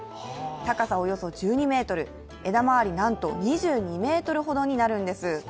高さおよそ１２ｍ、枝周りなんと２２ｍほどになるんです。